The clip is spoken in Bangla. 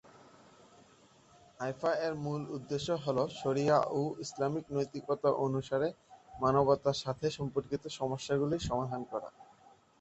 আইফা-এর মূল উদ্দেশ্য হল শরিয়া ও ইসলামিক নৈতিকতা অনুসারে মানবতার সাথে সম্পর্কিত সমস্যাগুলির সমাধান করা।